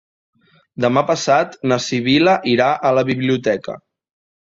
Demà passat na Sibil·la irà a la biblioteca.